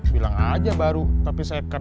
bilang aja baru tapi saya cut